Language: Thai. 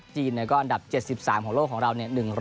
จีนก็อันดับ๗๓ของโลกของเรา